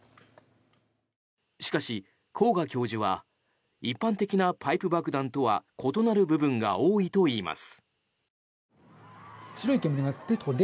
しかし、甲賀教授は一般的なパイプ爆弾とは異なる部分が多いといいます。